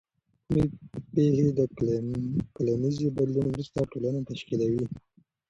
کومې پیښې د کلنیزې بدلون وروسته ټولنه تشکیلوي؟